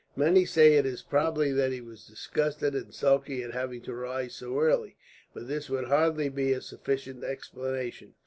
Many say it is probable that he was disgusted and sulky at having to rise so early, but this would hardly be a sufficient explanation.